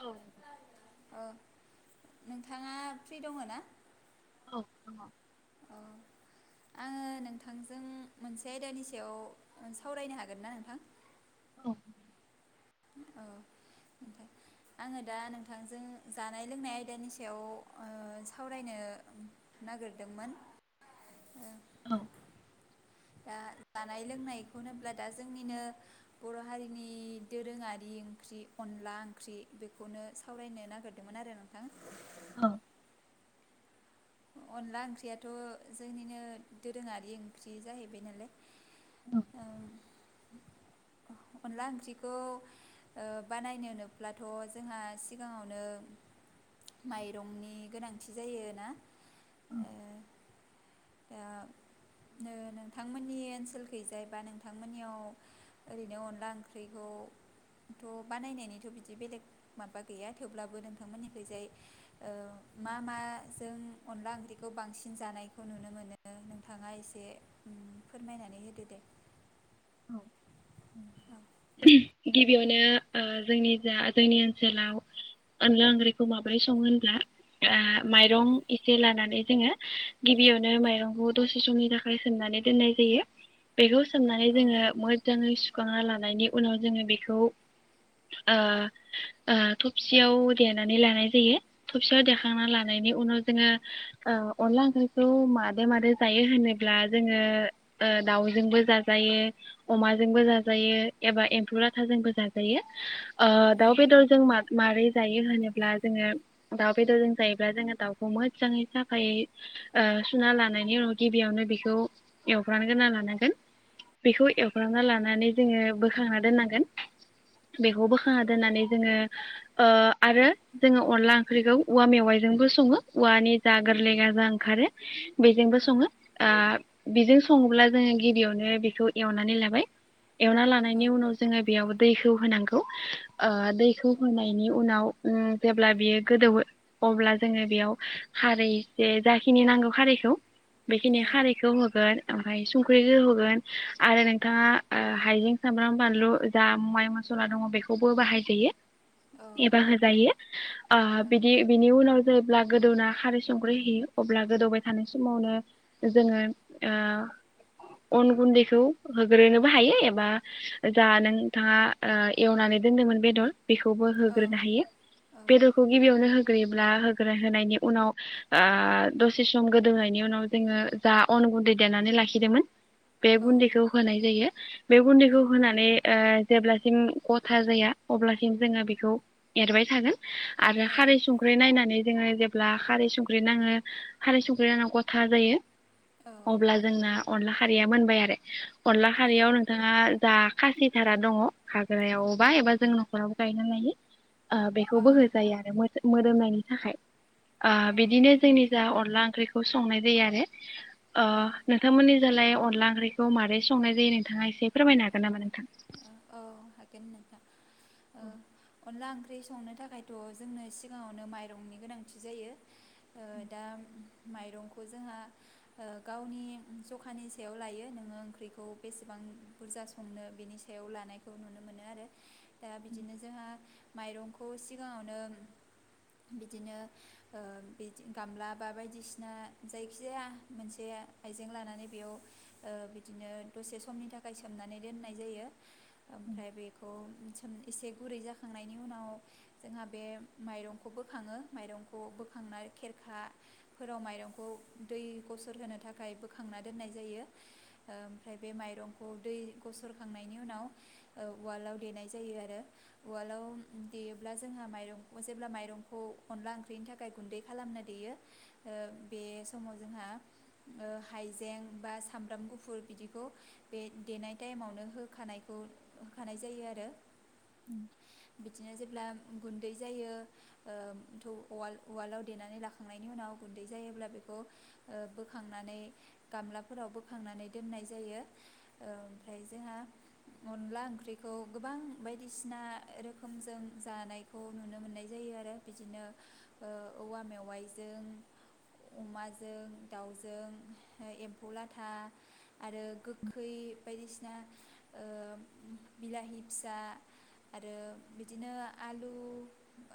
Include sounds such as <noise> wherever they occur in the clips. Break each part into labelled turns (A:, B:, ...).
A: औ
B: औ नोंथाङा फ्रि दङ ना
A: दङ
B: औ आङो नोंथांजों मोनसे आयदानि सायाव सावरायनो हागोन ना नोंथां
A: औ
B: औ ओमफाय आङो दा नोंथांजों जानाय लोंनाय आयदानि सायाव ओ सावरायनो नागिरदोंमोन
A: औ
B: दा जानाय लोंनायखौनो होनब्ला दा जोंनिनो बर हारिनि दोरोङारि ओंख्रि अनला ओंख्रि बेखौनो सावरायनो नागिरदोंमोन आरो नोंथां
A: औ
B: अनला ओंख्रियाथ जोंनिनो दोरोङारि ओंख्रि जाहैबाय नालाय औ अनला ओंख्रिखौ ओ बानायनोनोब्लाथ जोंहा सिगाङावनो माइरंनि गोनांथि जायो ना
A: औ
B: ओ दा नो नोंथांमोननि ओनसोलखैजाय बा नोंथांमोननियाव ओरैनो अनला ओंख्रिखौथ बानायनायनिथ बिदि बेलेग माबा गैया थेवब्लाबो नोंथांमोननिखैजाय ओ मा माजों अनला ओंख्रिखौ बांसिन जानाय खौ नुनो मोनो नोंथाङा एसे फोरमायनानै होदो दे
A: औ
B: औ
A: गिबियावनो ओ जोंनि जा जोंनि ओनसोलाव अनला ओंख्रिखौ माबोरै सङो होनब्ला ओ माइरं एसे लानानै जोङो गिबियावनो माइरंखौ दसे समनि थाखाय सोमनानै दोननाय जायो बेखौ सोमनानै
B: औ
A: जोङो मोजाङै सुखांना लानायनि उनाव जोङो बेखौ ओ ओ थबसियाव देनानै लानाय जायो थबसियाव देखांना लानायनि उनाव जोङो औ अनला ओंख्रिखौ मादे मादे जायो होनोब्ला जोङो ओ दाउजोंबो जाजायो अमाजोंबो जाजायो एबा एम्फौ लाथाजोंबो जाजायो ओ
B: औ
A: दाउ बेदरजों माथ मारै जायो होनोब्ला जोङो दाउ बेदरजों जायोब्ला जोङो दाउखौ मोजाङै साफायै ओ सुना लानायनि उनाव गिबियावनो बेखौ एवफ्राम गोना लानांगोन बेखौ एवफ्रामना लानानै जोङो बोखांना दोननांगोन बेखौ बोखांना दोननानै जोङो ओ आरो जोङो अनला ओंख्रिखौ औवा मेवाइजोंबो सङो औवानि जा गोरलै गाजा ओंखारो बेजोंबो सङो ओ बेजों सङोब्ला जोङो गिबियावनो बेखौ एवनानै लाबाय एवना
B: औ
A: लानायनि उनाव जोङो बेयाव दैखौ होनांगौ ओ दैखौ होनायनि उनाव ओ जेब्ला बियो गोदौवो अब्ला जोङो बेयाव खारै एसे जाखिनि नांगौ खारैखौ बेखिनि
B: औ औ
A: खारैखौ होगोन ओमफाय संख्रिजो होगोन आरो नोंथाङा ओ हाइजें सामब्राम बानलु जा माइ मसला दङ बेखौबो बाहायजायो
B: औ
A: एबा होजायो आ बिदि बिनि <unintelligible> जेब्ला गोदौना खारै संख्रि होयो अब्ला गोदौबाय थानाय समावनो जोङो अन गुन्दैखौ होग्रोनोबो हायो एबा जा नोंथाङा एवनानै दोनदोंमोन बेदर बेखौबो होग्रोनो हायो बेदरखौ गिबियावनो <unintelligible> <unintelligible> होग्रो होनायनि उनाव दसे सम गोदौनायनि उनाव जोङो जा अन गुन्दै देरनानै लाखिदोंमोन बेे <unintelligible> <unintelligible> जायो बे गुन्दैखौ होनानै ओ जेब्लासिम गथा जाया अब्लासिम जोङो बेखौ एरबाय थागोन आरो खारै संख्रि नायनानै जोङो जेब्ला खारै संख्रि नाङो खारै संख्रि नाङा गथा जायो अब्ला जोंना अनला खारिया मोनबाय आरो अनला खारियाव नोंथाङा जा खासिथारा दङ खाग्रायावबा एबा जों न'खरावबो गायनानै लायो बेखौबो होजायो आरो <unintelligible> मोदोमनायनि थाखाय बिदिनो जोंनि जा अनला ओंख्रिखौ संनाय जायो आरो अ नोंथांमोननि जालाय अनला ओंख्रिखौ मारै संनाय जायो <unintelligible> नोंथाङा एसे फोरमायनो हागोन नामा नोंथां?
B: हागोन नोंथां ओ अनला ओंख ओंख्रि संनो थाखायथ' जोंनो सिगाङावनो माइरंनि गोनांथि जायो। ओ दा माइरंखौ जोंहा ओ गावनि जखानि सायाव लायो नोङो ओंख्रिखौ बेसेबां बुरजा संनो बिनि सायाव लानायखौ नुनो मोनो आरो। दा बिदिनो जोंहा माइरंख खौ सिगाङावनो बिदिनो ओ बि गामला बा बायदिसिना जायखिजाया मोनसे आइजें लानानै बेयाव ओ बिदिनो दसे समनि थाखाय गायसोमनानै दोननाय जायो। ओमफ्राय बेखौ सोम एसे गुरै जाखांनायनि उनाव जोंहा बे माइरंखौ बोखाङो माइरंखौ बोखांना खेरखाफोराव माइरंखौ दै गसर होनो थाखाय बोखांना दोननाय जायो ओमफ्राय बे माइरं दै गसरखांनायनि उनाव ओ उवालाव देनाय जायो आरो उवालाव देयोब्ला जोंहा माइरं जेब्ला माइरंखौ अनला ओंख्रिनि थाखाय गुन्दै खालामना देयो बे समाव जोंहा हाइजें बा सामब्राम गुफुर बिदिखौ बे देनाय टाइमावनो होखानायखौ होखानाय जायो आरो। बिदिनो जेब्ला गुन्दै जायो ओ थौ उवाल-उवालाव देनानै लाखांनायनि उनाव गुन्दै जायोब्ला बेखौ ओ बोखांनानै गामलाफोराव बोखांनानै दोननाय जायो। ओ ओमफ्राय जोंहा अनला ओंख्रिखौ गोबां बायदिसिना रोखोमजों जानायखौ नुनो मोननाय जायो आरो बिदिनो ओ औवा मेवाइजों अमाजों, दाउजों ओ एम्फौ लाथा आरो गो खै बायदिसिना ओ बिलाहि फिसा आरो बिदिनो आलु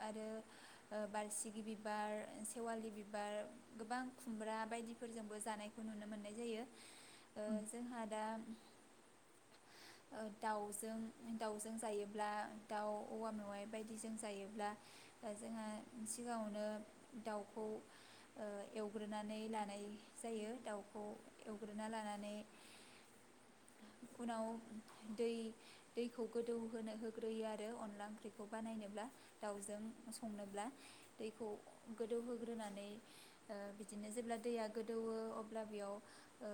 B: आरो ओ बारसिगि बिबार, सेवालि बिबार गोबां खुमब्रा बायदिफोरजोंबो जानायखौ नुनो मोननाय जायो। ओ जोंहा ओ दाउजों दाउजों जायोब्ला दाउ औवा मेवाइ बायदिजों जायोब्ला जोंहा सिगाङावनो दाउखौ ओ एवग्रोनानै लानाय जायो दाउखौ एवग्रोना लानानै उनाव दै दैखौ गोदौहोनो होग्रोयो आरो अनला ओंख्रिखौ बानायनोब्ला दाउजों संनोब्ला दैखौ गोदौहोग्रोनानै ओ बिदिनो जेब्ला दैया गोदौवो अब्ला बेयाव ओ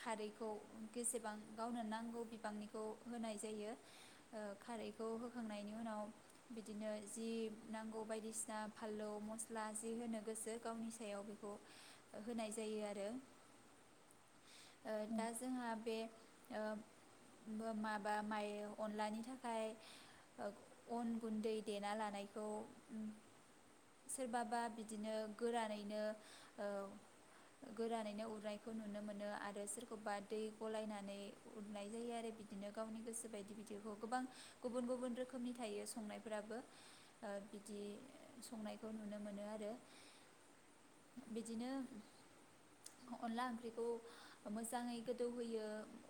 B: खारैखौ बेसेबां गावनो नांगौ बिबांनिखौ होनाय जायो ओ खारैखौ होखांनायनि उनाव बिदिनो जि नांगौ बायदिसिना फाललौ मस्ला जि होनो गोसो गावनि सायाव बेखौ होनाय जायो आरो। ओ दा जोंहा ओ बो माबा मायो अनलानि थाखाय ओ अन गुन्दै देना लानायखौ उम सोरबाबा बिदिनो गोरानैनो ओ गोरानैनो उरनायखौ नुनो मोनो आरो सोरखौबा दै गलायनानै उरनाय जायो आरो बिदिनो गावनि गोसो बायदि बिदिखौ गोबां गुबुन गुबुन रोखोमनि थायो संनायफोराबो ओ बिदि संनायखौ नुनो मोनो आरो बिदिनो अनला ओंख्रिखौ मोजाङै गोदौ होयो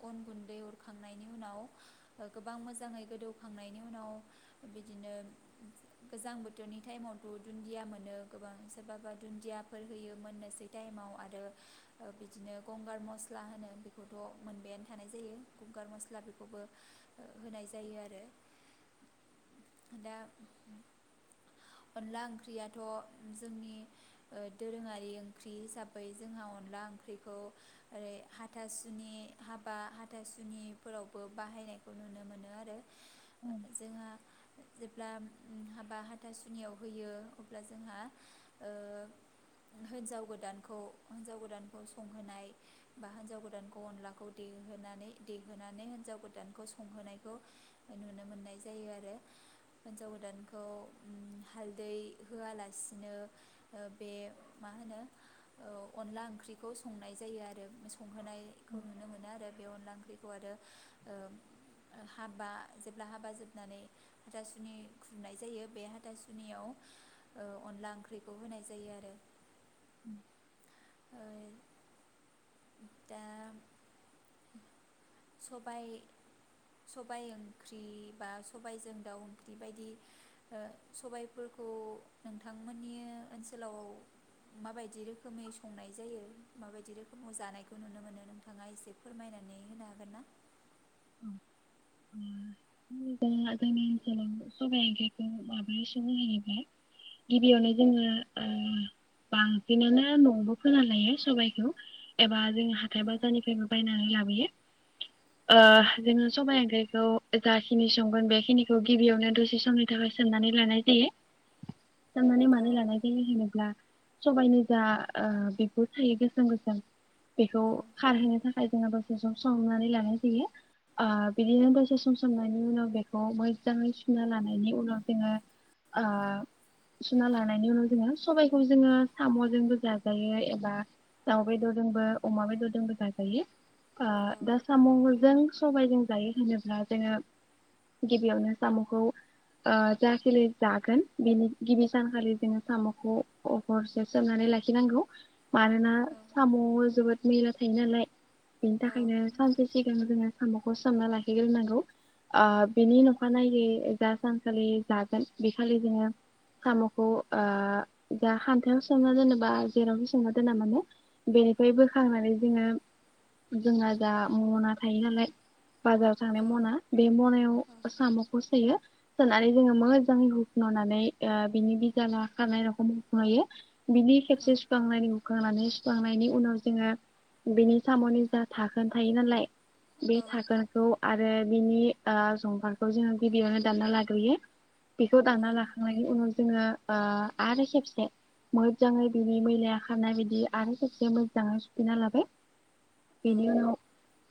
B: अन गुन्दै हरखांनायनि उनाव गोबां मोजाङै गोदौखांनायनि उनाव बिदिनो गोजां बोथोरनि टाइमावथ' दुन्दिया मोनो, गोबां सोरबाबा दुन्दियाफोर होयो मोननोसै टाइमाव आरो ओ बिदिनो गंगार मस्ला होनो बे खौथ' मोनबायानो थानाय जायो गंगार मस्ला बेखौबो ओ होनाय जायो आरो दा
A: उम।
B: अनला ओंख्रियाथ' जोंनि ओ दोरोङारि ओंख्रि हिसाबै जोंहा अनला ओंख्रिखौ ओरै हाथासुनि हाबा हाथासुनिफोरावबो बाहायनायखौ नुनो मोनो आरो। ओ जोंहा जेब्ला हाबा हाथासुनियाव होयो अब्ला जोंहा ओ हिन्जाव गोदानखौ हिन्जाव गोदानखौ संहोनाय बा हिन्जाव गो दानखौ अनलाखौ देहोनानै देहोनानै हिन्जाव गोदानखौ संहोनायखौ नुनो मोननाय जायो आरो हिन्जाव गोदानखौ उम हालदै होआलासिनो ओ बे मा होनो औ अनला ओंख्रिखौ संनाय जायो आरो संहोनाय खौ नुनो मोनो आरो बे अनला ओंख्रिखौ आरो ओ ओ हाबा जेब्ला हाबा जोबनानै हाथासुनि खुरनाय जायो बे हाथासुनियाव ओ अनला ओंख्रिखौ होनाय जायो आरो।
A: <unintelligible>
B: ओ दा सबाय सबाय ओंख्रि बा सबायजों दाउ ओंख्रि बायदि ओ सबायफोरखौ नोंथांमोननि ओनसोलाव माबायदि रोखोमै संनाय जायो माबायदि रोखोमाव जानायखौ नुनो मोनो नोंथाङा एसे फोरमायनानै होनो हागोन ना?
A: ज जोंनि ओनसोलाव सबाइ ओंख्रिखौ माबोरै संङो होनोब्ला गिबियावनो जोङो ओ बांसिनानो न'आवबो फोना लायो सबाइखौ एबा जोङो हाथाइ बाजारनिफ्रायबो बायनानै लाबोयो। ओ जोङो सबाइ ओंख्रिखौ जाखिनि संगोन बेखिनिखौ गिबियावनो दसे समनि थाखाय सोंनानै लानाय जायो। सोमनानै
B: औ
A: मानो लानाय जायो जेनेब्ला। सबायनि जा ओ बिगुर थायो गोसोम गोसोम बेखौ
B: औ
A: खारहोनो थाखाय जोंहा दसे सम सोमनानै लानाय जायो। ओ बिदिनो दसे सम सोमनायनि उनाव बेखौ मोजाङै सुना लानायनि उनाव जोङो ओ सुना लानायनि उनाव जोङो सबाइखौ जोङो साम'जोंबो जाजायो एबा दाउ बेदरजोंबो, अमा बेदरजोंबो जाजायो, ओ दा साम'जों सबायजों जायो होनोब्ला जोङो गिबियावनो साम'खौ ओ जाखिनि जागोन बेनि गिबि सानखालि जोङो साम'खौ ह-हरसे सोमनानै लाखिनांगौ। मानोना
B: औ
A: साम'आव जोबोद। मैला थायो नालाय। बेनि
B: औ
A: थाखायनो सानसे सिगां जोङो। साम'खौ सोमना लाखिग्रोनांगौ। ओ बेनि अखानायै जा सानखालि जागोन बेखालि जोङो साम'खौ ओ जा खान्थायाव सोमना दोनोबा जेरावनो सोमना दोना मानो बेनिफ्राय बोखांनानै जोङो जोंहा जा मना थायो नालाय। बाजाराव थांनाय मना बे मनायाव
B: औ
A: साम'खौ सोयो, सोनानै जोङो मोजाङै हुख्न'नानै ओ बिनि बिजानुवा खारनाय रखम हुख्न'यो। बिनि
B: औ
A: खेबसे
B: औ
A: सुखांनानै हुखांनानै सुखांनायनि उनाव जोङो बिनि साम'नि जा धाखोन थायो नालाय। बे
B: औ
A: धाखोनखौ आ- रो बिनि ओ जंफारखौ जोङो गिबियावनो दानना लाग्रोयो, बेखौ दानना लाखांनायनि उनाव जोङो ओ आरो खेबसे मोजाङै बिनि मैलाया खारनाय बायदि आरो खेबसे मोजाङै सुफिनना लाबाय। बिनि उनाव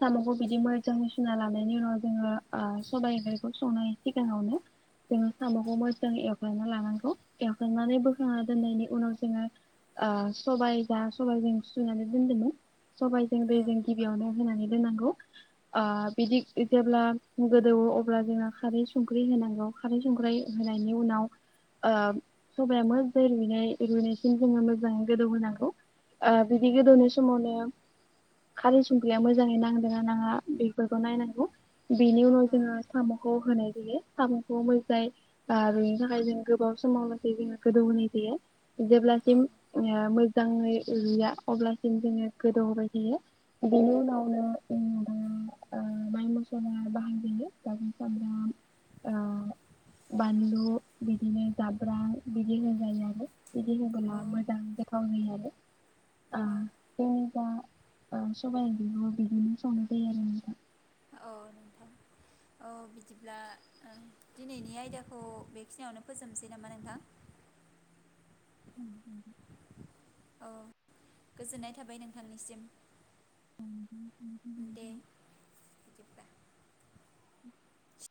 A: साम'खौ। बिदि मोजाङै सुना लानायनि उनाव जोङो ओ सबाइ ओंख्रिखौ संनायनि सिगाङावनो जोङो साम'खौ मोजाङै एवफ्रामना लानांगौ एवखांनानै बोखांना दोननायनि उनाव जोङो ओ सबाइ जा सबाइ जों सुनानै दोनदोंमोन। सबाइ जों दैजों गिबियावनो होनानै। इ नोंगौ। ओ बिदिक जेब्ला गोदौवो अब्ला जोङो खारै संख्रि होनांगौ खारै संख्राय होनायनि उनाव ओ सबाया मोजाङै रुइनाय रुइनायसिम जोङो मोजाङै गोदौ होनांगौ ओ बिदि गोदौनाय समावनो खारै संख्रिया मोजाङै नांदोंना। नाङा बेफोरखौ नायनांगौ। बेनि उनाव जोङो साम'खौ। होनाय जायो साम'नखौ मोजजाय आ रुइनो थाखाय जों गोबाव समावलासे जोङो गोदौ होनाय जायो। जेब्लासिम <unintelligible> मोजाङै रुइया अब्लासिम जोङो गोदौहोबाय थायो बिनि उनावनो। जेनबा ओ माइ मसला बाहाजायो बानलु -सामब्राम ओ बानलु बिदिनो जाब्रां बिदि होन जायो आरो। बिदिबो नङा मोजां <unintelligible> गावनि। ओ जेनेबा। ओं सबाय बिमा बिदिनोस संदे आरो नोंथां।
B: अ बिदिब्ला ओ दिनैनि आयदाखौ बेखिनियावनो फोजोबनोसै नामा नोंथां?
A: उम उम।
B: औ गोजोननाय थाबाय नोंथांनिसिम।
A: उम उम उम
B: दे
A: उमहो उम।
B: बिदिब्ला
A: उम